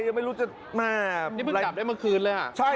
ยังไม่รู้จะแล้วนี่เป็นมันกลับเมื่อคืนเลยอะใช่